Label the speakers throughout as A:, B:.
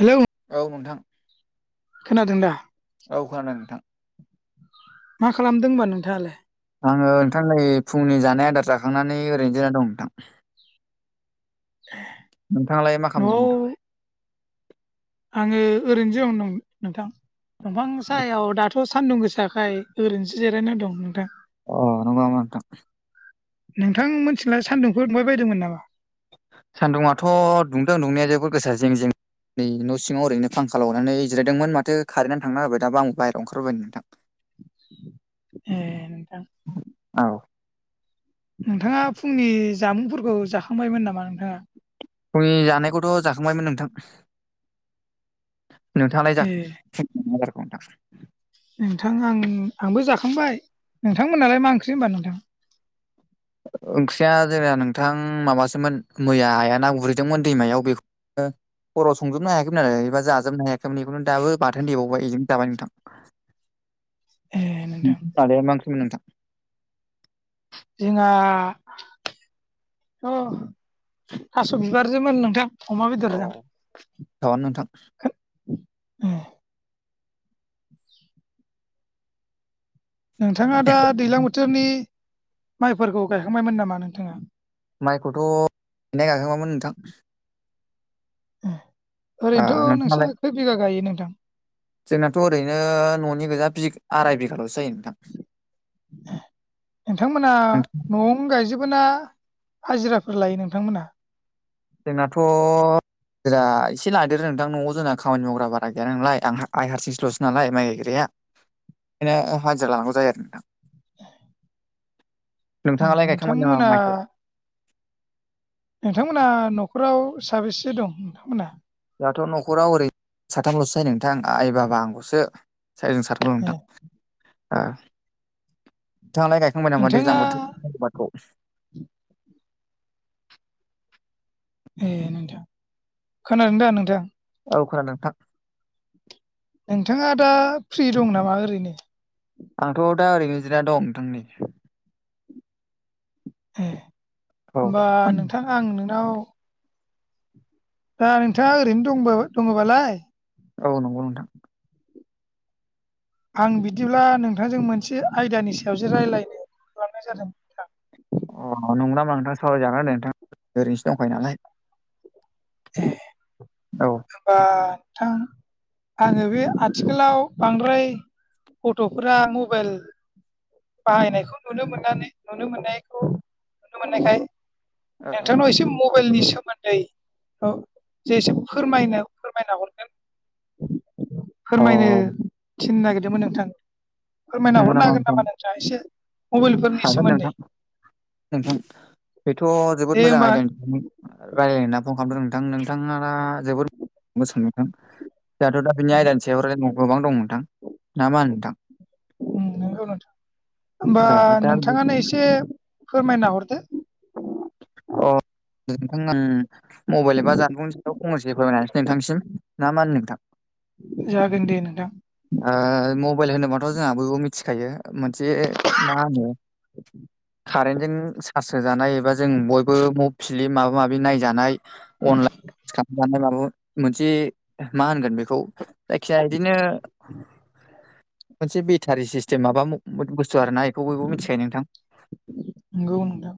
A: Hello
B: औ नोंथां
A: खोनादों दा
B: औ खोनादों नोंथां
A: मा खालामदों होमबा नोंथाङालाय
B: आङो नोंथां नै फुंनि जानाय आदार जाखांनानै ओरैनो जिरायना दं नोंथां नोंथाङालाय मा खालामदों
A: न'आव
B: नोंथां
A: आङो ओरैनोसो दं नोंथां दंफां सायाव दाथ सान्दुं गोसाखाय ओरैनोसो जिरायना दं नोंथां
B: अ नंगौ नामा नोंथां
A: नोंथां मोनथिलाय सान्दुंफोर दुंबाय बायदोंमोन नामा
B: सान्दुुंथ दुंदों दुंनाया जोबद गोसा जिं जिं नै न' सिङाव ओरैनो फांखाखौ लरनानै जिरायदोंमोन माथो कारेन्ट थांना होबाय दा आं आंबो बाहेराव ओंखारबाय नोंथां
A: ए नोंथां
B: औ
A: नोंथाङा फुंनि जामुंफोरखौ जाखांबायमोन नामा नोंथाङा
B: फुंनि जानायखौथ जाखांबायमोन नोंथां नोंथाङालाय
A: ए
B: [unintelligible]
A: नोंथां आं आंबो जाखांबाय नोंथांमोनालाय मा ओंख्रि होमबा नोंथां
B: ओंख्रिया जोंना नोंथां माबासोमोन मैया आया ना गुरहैदोंमोन दैमायाव बेखौ ओं खराव संजोबनो हायाखैमोन आरो एबा जाजोबनो हायाखैमोन बेखौनो दाबो बाथोन देबावबाय इजोंनो जाबाय नोंथां
A: [inaudible] ए नोंथां
B: [unintelligible] मा ओंख्रिमोन नोंथां
A: जोंना थास बिबारसोमोन नोंथां अमा
B: औ
A: बेदरजों
B: थाबानो नोंथां
A: [inaudible] नोंथाङा दा दैज्लां बोथोरनि माइफोरखौ गायखांबायमोन नामा नोंथाङा
B: माइखौथ गायनाया गायखांबायमोन नोंथां ओ
A: ओरैनोथ
B: नोंथाङालाय
A: नोंस्रा खै बिगा गायो नोंथां
B: जोंनाथ ओरैनो न'नि गोजा बि आराय बिघालसो गायो नोंथां
A: नोंथांमोना न'आव नों गायजोबोना हाजिराफोर लायो नोंथांमोनहा
B: जोंनाथ जदा एसे लादेरो नोंथां न'आव जोंना खामानि मावग्रा बारा गैया नोंलाय आंहा आइ हारसिंसोल'स नालाय माइ गायग्राया बेनो हाजिर लानांगौ जायो आरो नोंथा।
A: [inaudible] ए
B: नोंथाङालाय गायखांबाय नामा
A: नोंथांमोना
B: माइखौ?
A: नोंथांमोना न'खराव साबेसे दं नोंथांमोनहा?
B: दहाथ' न'खराव ओरै साथामल'सो जायोै नोंथां आइ बाबा आंखौसो सायजों साथाम बुं
A: ए
B: नोंथां नोंथा ओ ‌नोंथाङालाय गाय खांबाय नामा दैज्लां
A: नोंथाङा
B: बोथोर आबादखौ
A: ए नोंथां खोनादों दा नोंथां।
B: औ खोन नोंथां।
A: नोंथाङा दा फ्रि दं नामा ओरैनो?
B: आंथ' दा ओरैनोजिरना दं नोंथांनि
A: ए होमबा
B: औ
A: नोंथां आं नोंनाव दा नोंथाङा ओरैनो दं दंबालाय?
B: औ नंगौ नोंथां।
A: आं बिदिब्ला नोंथांजों मोनसे आयदानि सायाव जो रायज्लायनो खालामनाय जादों।
B: अ नं नामा नोंथां सावराय जागोन द नोंथां ओरैनो दंखायो नालाय।
A: जे
B: औ।
A: होमबा नोंथां। आङो बे आथिखालाव बांद्राय गथ'फोरा मबाइल बाहायनायखौ नुनो मोननानै नुनो मोननायखौ नुनो मोननायखाय
B: ओ
A: नोंथांनाव एसे मबाइलनि सोमोन्दै जेसे फोरमायनो फोरमायना हरगोन
B: ओ
A: फोरमायनो
B: अ
A: थिनो नागिरदोंमोन नोंथां फोरमायना
B: नंगौ
A: हरनो हागोन
B: नोंथां
A: नामा नोंथाङा एसे मबाइलफोरनि
B: हागोन
A: सोमोन्दै।
B: नोंथां नोंथां बेथ'
A: दे
B: जोबोद मोजां
A: होमबा
B: आयदा नोंथांमोन। रायज्लायना फन खालामदों नोंथां नोंथाङ दा जोबोद मोसां नोंथां। दोंथ' दा बिनि आयदानि सायाव गोबां दं नोंथां ना मा होनो नोंथां।
A: नंगौ नोंथां होमबा
B: ओ दा बि-
A: नोंथाङानो एसे फोरमायना हरदो।
B: अ नोंथां। मबाइल एबा जानबुंनि साव खनसे हो फोरमायनोसै नोंथांसिम ना मानो नोंथां।
A: जागोन दे नोंथां।
B: मबाइल होनोबाथ' जोंहा बयबो मिथिखायो मोनसे मा होनो कारेन्टजों चार्ज होजानाय एबा जों बयबो म फिलिम माबा माबि नायजानाय अनलाइन खालामजानाय माबा मोनसे मा होनगोन बेखौ जायखिया बिदिनो मोनसे बेटारि सिस्टेम माबा बुस्थु आरोना बेखौ बयबो मिथिखायो नोंथां
A: नोंगौ नोंथां।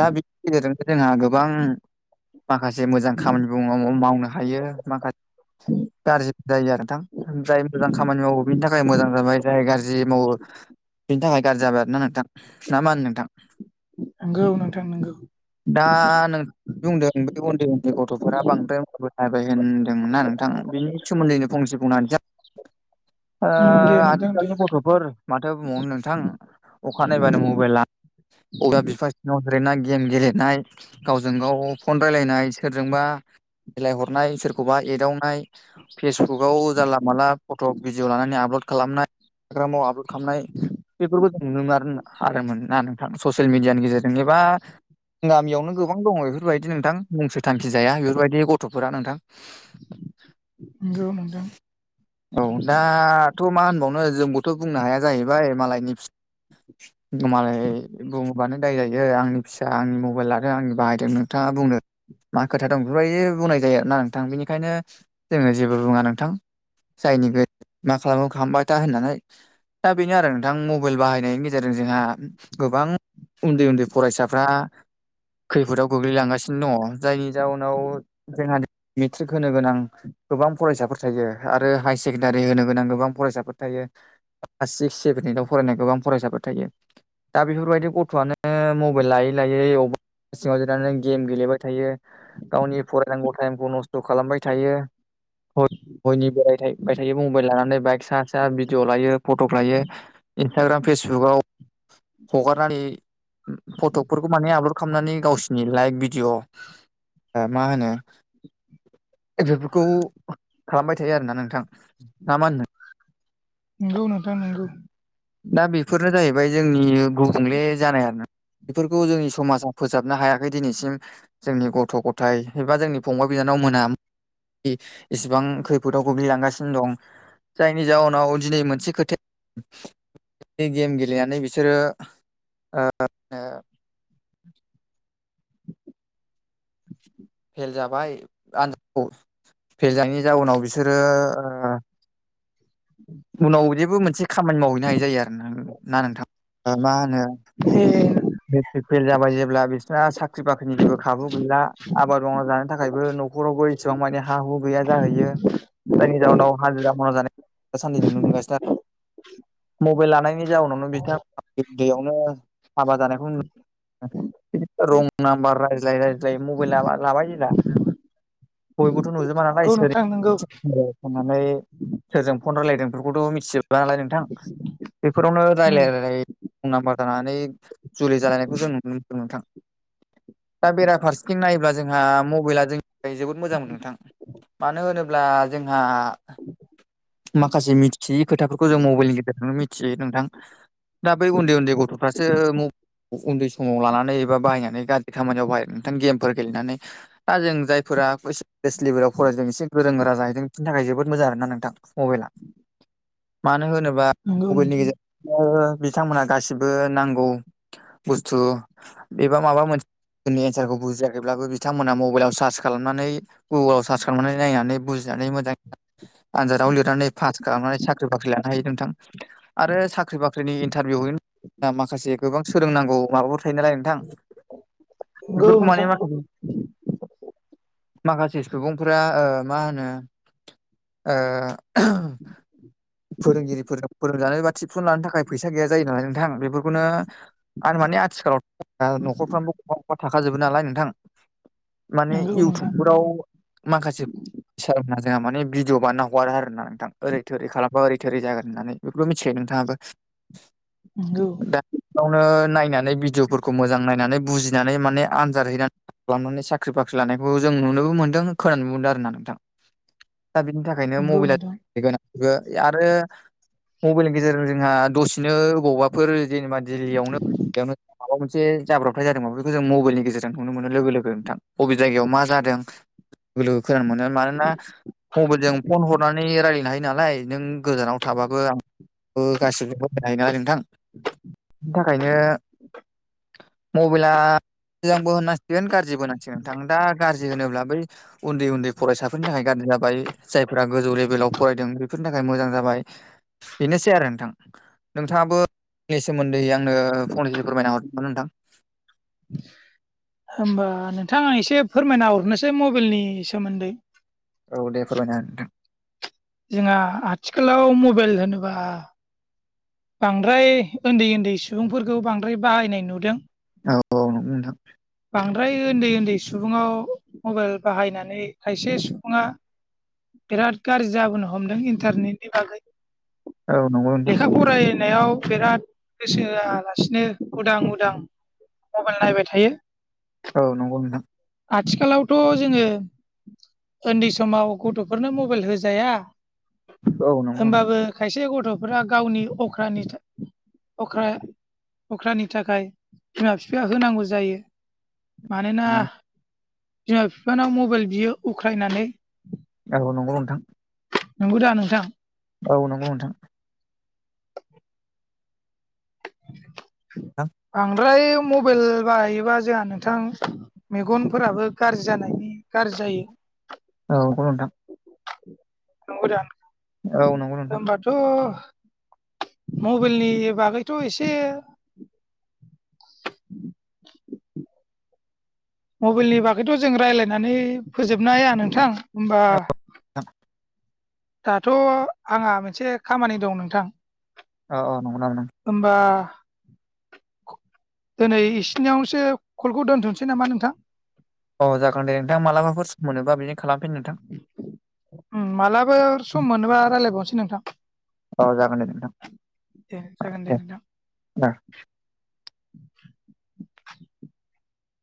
B: दा बिनि गेजेरजोंसो जोंहा गोबां माखासे मोजां खामानि मावनो हायो माखासे गाज्रिबो जायो आरो नोंथां ‌। जाय मोजां खामानि मावो बिनि थाखाय मोजां जाबाय जाय गाज्रि मावो बिनि थाखाय गाज्रि जाबाय आर ना नोंथां ना मा होनो नोंथां
A: नंगौ नोंथां नंगौ
B: दा नों बुंदों बे उन्दै उन्दै गथ'फोरा बांद्राय बबाय होनदोंना नोंथां बेनि सोमोन्दैनो फंसे बुंनोसै आ
A: दे नोंथां दे
B: आजखालनि गथ'फोर माथो बुंबावनो नोंथां अखा नायबानो मबाइल लानानै अदा बिफा नाव जेरैना गेम गेलेनाय गावजों गाव फन रायलायनाय सोरजोंबा बिेलायहरनाय सोरखौबा एदावनाय फेसबुकाव जारला माला फट' भिडिअ लानानै आपल'ड खालामनाय। इन्सटाग्रामाव आपल'ड खालामनाय बेफोरखौ जों नुनो मोनोन आरो मोन ना नोंथां ससियेल मिडियानि गेजेरजों। जेनेबा गामियावनो गोबां दङ बेफोरबायदि नोंथां मुंसो थांखि जाया बेफोरबायदि गथ'फोरा नोंथां।
A: नंगौ नुदों।
B: औ दाथ' मा होनबावनो जोंबोथ' बुंनो हाया जाहैबाय मालायनि फ गमालायबानाय दायजायो आंनि फिसा आंनि मबाइल लादों आंनि बाहायदों नोंथाङा बुंनो। मा खोथा दं बेफोरबायदि बुंनाय जायोोना नोंथां बेनिखायनो जोङो जेबो बुङा नोंथां। जायनि मा खालामो खालामबाय था होननानै। दा बेनो आरो नोंथां मबाइल बाहायनायनि गेजेरजों जोंहा गोबां। उन्दै उन्दै फरायसाफ्रा खैफोदाव गोग्लैलांगासिनो दङ जायनि जाउनाव जोंहा मेट्रिक होनो गोनां। गोबां फरायसाफोर थायो आरो हायार सेकेण्डारि होनो गोनां गोबां फरायसाफोर थायो। क्लास सिक्स सेभेन एइटआव फरायनाय गोबां फरायसाफोर थायो दा बेफोरबायदि गथ' दुखुआनो मबेल लायै लायै बबेबा सिङाव जिरनानै गेम गेलेबाय थायो। गावनि फरायनांगौ टाइमखौ नस्थ' खालामबाय थायो। बयनिबोबाय थायो मबाइल लानानै बाइक सा सा भिडिअ लायो फट'क लायो। इन्सटाग्राम फेसबुकाव हगारनानै फटकफोरखौ माने आपलड खालामनानै गावसोरनि लाइक भिडिअ। ओ मा होनो बेफोरखौ खालामबाय थायो आरोना नोंथां ना मा होन
A: नंगौ नोंथां नंगौ।
B: दा बेफोरनो जाहैबाय जोंनि गुबुंले जानाय आरो बेफोरखौ जोंनि समाजाव फोजाबनो हायाखै दिनैसिम जोंनि गथ' गथाय एबा जोंनि फंबाय बिनानाव मोना इसिबां खैफोदाव गोग्लैलांगासिनो दं। जायनि जाउनाव दिनै मोनसे खोथाया बे गेम गेलेनानै बिसोरो नो फेल जाबाय आनजादखौ फेल जायैनि जाउनाव बिसोरो। उनाव बिदिबो मोनसे खामानि मावहैनो हायै जायो आरो ना नोंथां मा होनो।
A: [inaudible]
B: मेट्रिक फेल जाबाय जेब्ला बिसोरना साख्रि बाख्रिनि जेबो खाबु गैला। आबाद मावना जानो थाखायबो न'खरावबो एसेबां मानि हा हु गैया जाहैयो। जायनि जाहोनाव हाजिरा मावना जानाय दा सान्दि नुनो मोनगासिनो आरो। मबाइल लानायनि जाउनावनो बिथा उन्द उन्दैयावनो हाबा जानायखौ नु रं नाम्बार रायज्लाय रायज्लाय मबाइल लाबाय जेला बयबोथ' नुजोबा नालाय
A: नंगौ
B: सोर
A: नोंथां नंगौ
B: होननानै सोरजों फन [unintelligible] रायज्लायदों बेफोरखौथ' मिथिजोबला नालाय नोंथां बेफोरावनो रायलाय रायलाय रं नाम्बार जानानै जुलि जालायनायखौ जों नुनो मोनदों नोंथां। दा बेरा फारसेथिं नायोब्ला जोंहा मबाइला जोंनि जोबोद मोजां मोन नोंथां। मानो होनोब्ला जोंहा माखासे मिथियै खोथाफोरखौ जों मबाइलनि गेजेरजोंनो मिथियो नोंथां। दा बै उन्दै उन्दै गथ'फ्रासो म उन्दै समाव लानानै एबा बाहायनानै गाज्रि खामानियाव बाहाय नोंथां गेमफोर गेलेनानै। दा जों जायफोरा कनलेज लेभेलाव फरायदों एसे गोरों गोरा जाहैदों बिनि थाखाय जोबोद मोजां आरोना नोंथां। मबाइला मानो होनोबा
A: नंगौ
B: मबाइलनि
A: नोंथां
B: गेजेरजों ओ बिथांमोनहा गासिबो नांगौ बुस्थु बेबा माबा मोनसे। जोंनि एन्सारखौ बुजियाखैब्लाबो बिथांमोना मबाइलाव सार्च खालामनानै। गुगोलाव सार्च खालामनानै नायनानै बुजिनानै मोजां दाउ लिरनानै पास खालामनानै साख्रि बाख्रि लानो हायो नोंथां आरो साख्रि बाख्रिनि इन्टारभिउ दा माखासे गोबां सोलोंनांगौ माबाफोर थायो नालाय नोंथां।
A: नंगौ
B: बिफोरखौ माने
A: नोंथां
B: माखासे [inaudible] माखासे सुबुंफ्रा मा होनो ओ [inaudible] फोरोंगिरिफोरनो फोरोंजानाय बा थिबसन लानो थाखाय फैसा गैया जायो नालाय नोंथां बेफोरखौनो आरो माने आथिखालावथ' नखरफ्रामबो गंफा गंफा थाखाजोबो नालाय नोंथां। माने
A: नंगौ नोंथां
B: इउटुबफोराव माखासे फैसाना [unintelligible] जोंहा माने भिदिअ बानायना हरगारो आरो ना नोंथां ओरै थोरै खालामबा ओरै थोरै जागोन होननानै बेफोरखौबो मिथिखायो नोंथाङाबो
A: नोंगौ
B: दा बेयावनो नायनानै भिडिअफोरखौ मोजां नायनानै बुजिनानै माने आनजाद हैनानै खालामनानै साख्रि बाख्रि लानायखौ जों नुनोबो मोनदों खोनानोबो मोनदों आरोना नोंथां दा बेनि थाखाय बेनिखायनो
A: नंगौ
B: मबेला
A: नोंथां
B: गोनांथिबो आरो मबेलनि गेजेरजों जोंहा दसेनो बबावबाफोर जेनेबा दिल्लीयावनोयावनो [unintelligible] माबा मोनसे जाब्रबथाय जादों माबा बेखौ जों मबेलनि गेजेरजों नुनो मोनो लोगो लोगो नोंथां बबे जायगायाव मा जादों? खोनानो मोनो मानोना मबाइल जों फन हर नानै रायज्लायनो हायो नालाय नों गोजानाव थाबाबो आं गासिबोनो हायो नालाय नोंथां बिनि थाखायनो मबाइला मोजांबो होननांसिगोन गाज्रिबो होनांसिगोन नोंथां दा गाज्रि होनोब्ला बै उन्दै उन्दै फरायसाफोरनि थाखाय ग्रि जाबाय जायफोर दा गोजौ लेभेलाव फरायदों बेफोरनि थाखाय मोजां जाबाय बेनोसै आरो नोंथां। नोंथाङाबो [unintelligible] सोमोन्दैै आंनो फंनैसे फोरमायना हरदों नोंथां।
A: होमबा नोंथां आं एसे फोरमायना हरनोसै मबेलनि सोमोन्दै।
B: औ दे फोरमायना हो नोंथां।
A: जोंहा आथिखालाव मबेल होनोबा बांद्राय उन्दै उन्दै सुबुंफोरखौ बांद्राय बाहायनाय नुदों।
B: औ औ न नोंथां
A: बांद्राय उन्दै उन्दै सुबुङाव मबाइल बाहायनानै खायसे सुबुङा बिराद गाज्रि जाबोनो हमदों इन्टारनेटनि बागै
B: औ नंगौ नोंथां
A: लेखा फरायनायाव बिराद गोसो होआलासिनो उदां उदां मबाइल नायबाय थायो
B: औ नंगौ नोंथां।
A: आथिखालावथ' जोङो उन्दै समाव गथ'फोरनो मबाइल होजाया।
B: औ नंगौ नोंथां
A: होमबाबो खायसे गथ'फोरा गावनि अख्रानि अख्रा अख्रानि थाखाय बिमा बिफाया होनांगौ जायो। मानोना बिमा बिफानाव मबाइल बियो अख्रायनानै
B: आरो नंगौ नोंथां
A: नंगौ दा नोंथां?
B: औ नंगौ नोंथां।
A: [inaudible] बांद्राय मबाइल बाहायोबा जोंहा नोंथां मेगनफोराबो गाज्रि जानायनि गाज्रि जायो
B: औ नंगौ नोंथां
A: नंगौ
B: औ नंगौ नोंथां
A: औ मबाइलनि बागैथ' एसे [inaudible] मबाइलनि बागैथ' जों रायजलायनानै फोजोबनो हाया नोंथां होमबा।
B: [inaudible]
A: दाथ' आंहा मोनसे खामानि दं नोंथां।
B: औ औ नंगौ।
A: होनोमबा दिनै इसिनियावसो कलखौ दोनथ'सै नामा नोंथां।
B: अ जागोन दे नोंथां मालाबाफोर सम मोनोबा बिदिनो खालामफिन नोंथां।
A: मालाबा सम मोनोबा रायजलायबावनोसै नोंथां।
B: औ जागोन दे नोंथां
A: दे
B: औ
A: जागोन
B: दे
A: नोंथां।
B: द
A: [inaudible]